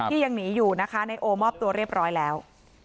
ยังหนีอยู่นะคะนายโอมอบตัวเรียบร้อยแล้ว